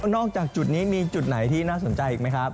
นอกจากจุดนี้มีจุดไหนที่น่าสนใจอีกไหมครับ